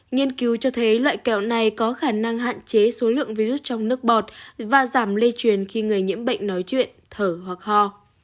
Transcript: nghiên cứu cho thấy loại kẹo này có khả năng hạn chế số lượng virus trong nước bọt và giảm lây truyền khi người nhiễm bệnh nói chuyện thở hoặc ho